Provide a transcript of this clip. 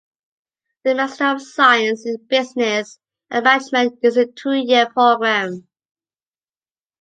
The Master of Science in Business and Management is a two-year program.